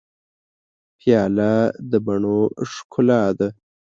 پیاله د بڼو ښکلا ده.